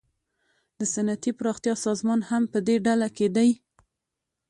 د صنعتي پراختیا سازمان هم پدې ډله کې دی